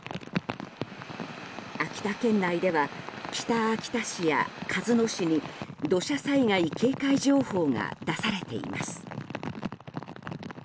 秋田県内では北秋田市や鹿角市に土砂災害警戒情報が出されています。